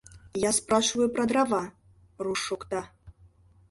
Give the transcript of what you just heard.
Я спрашиваю про дрова, — руш шокта.